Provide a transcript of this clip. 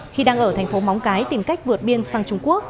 khi đang ở thành phố móng cái tìm cách vượt biên sang trung quốc